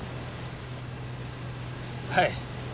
はい。